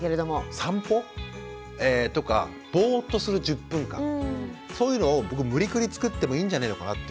散歩とかぼっとする１０分間そういうのを僕無理くりつくってもいいんじゃねえのかなっていう。